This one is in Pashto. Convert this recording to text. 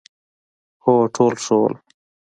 هو، ټول ښه وو،